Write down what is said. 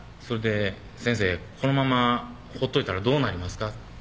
それで「先生このままほっといたらどうなりますか？」